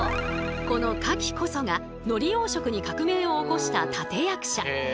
この牡蠣こそが海苔養殖に革命を起こした立て役者。